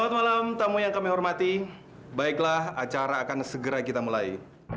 selamat malam tamu yang kami hormati baiklah acara akan segera kita mulai